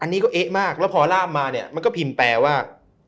อันนี้ก็เอ๊ะมากแล้วพอล่ามมาเนี่ยมันก็พิมพ์แปลว่า